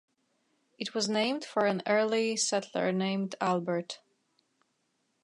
It was named for an early settler named Albert.